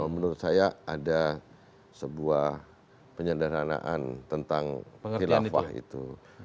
menurut saya ada sebuah penyederhanaan tentang khilafah itu